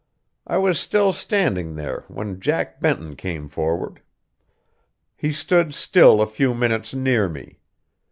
I was still standing there when Jack Benton came forward. He stood still a few minutes near me.